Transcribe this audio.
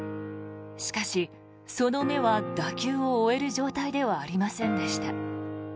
しかし、その目は打球を追える状態ではありませんでした。